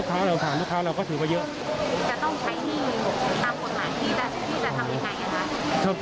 ใช่ค่ะไม่ถามว่าเรามีบีนไหม